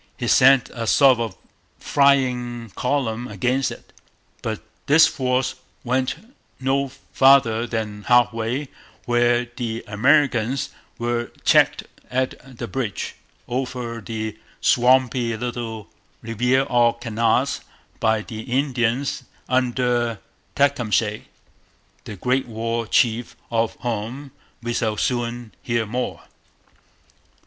He sent a sort of flying column against it. But this force went no farther than half way, where the Americans were checked at the bridge over the swampy little Riviere aux Canards by the Indians under Tecumseh, the great War Chief of whom we shall soon hear more.